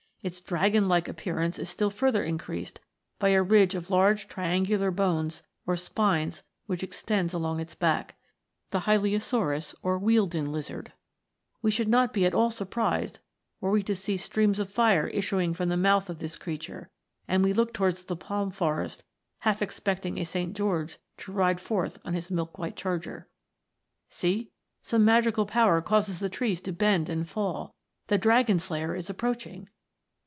Its dragon like appearance is still further increased by a ridge of large triangular bones or spines which extends along its back.* We should not be at all surprised were we to see streams of fire issuing from the mouth of this creature, and we look towards the palm forest half expecting a St. George to ride forth on his milk white charger. See ! some magic power causes the trees to bend and fall the dragon slayer is approaching